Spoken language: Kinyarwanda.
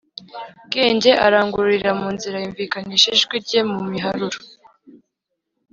Bwenge arangururira mu nzira, Yumvikanisha ijwi rye mu miharuro,